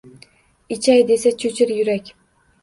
Ichay desa — cho’chir yurak